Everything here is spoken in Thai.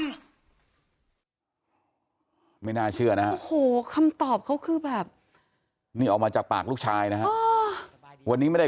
ไม่น่าเชื่อนะฮะโอ้โหคำตอบเขาคือแบบนี่ออกมาจากปากลูกชายนะฮะวันนี้ไม่ได้